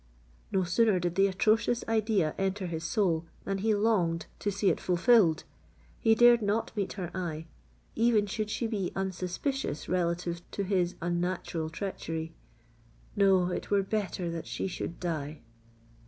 No sooner did the atrocious idea enter his soul, than he longed to see it fulfilled. He dared not meet her eyes—even should she be unsuspicious relative to his unnatural treachery. No—it were better that she should die!